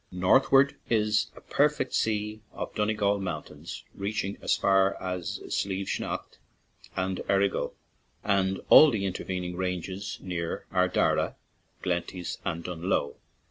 Northward is a perfect sea of Donegal mountains, reaching as far as Slieve Snaght and Errigal, with all the inter vening ranges near Ardara, Glenties, and Dunloe.